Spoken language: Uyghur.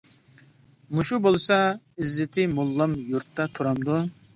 مۇشۇ بولسا ئىززىتى موللام يۇرتتا تۇرامدۇ.